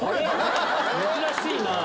珍しいなぁ。